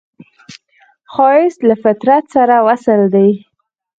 ښایست له فطرت سره وصل دی